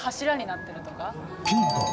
ピンポン！